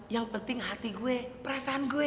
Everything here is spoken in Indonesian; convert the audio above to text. yang penting hati gue perasaan gue